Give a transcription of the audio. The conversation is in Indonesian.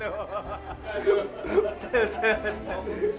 boleh juga tuh